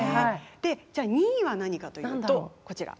でじゃあ２位は何かというとこちら。